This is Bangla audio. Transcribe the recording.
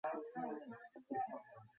কিছুই যায় আসে না।